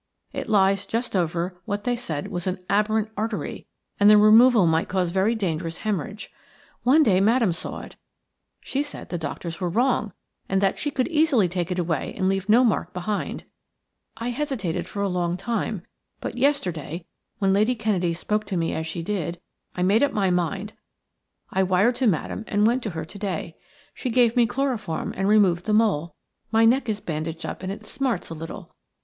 It lies just over what they said was an aberrant artery, and the removal might cause very dangerous haemorrhage. One day Madame saw it; she said the doctors were wrong, and that she could easily take it away and leave no mark behind. I hesitated for a long time, but yesterday, when Lady Kennedy spoke to me as she did, I made up my mind. I wired to Madame and went to her to day. She gave me chloroform and removed the mole. My neck is bandaged up and it smarts a little.